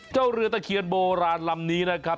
เจ้าเรือตะเคียนโบราณลำนี้นะครับ